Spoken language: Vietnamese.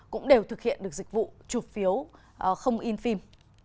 cũng đều thực hiện được dịch vụ chụp phiếu không in phim